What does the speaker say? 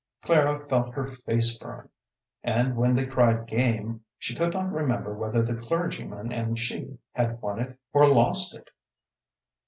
Clara felt her face burn, and when they cried "game," she could not remember whether the clergyman and she had won it or lost it.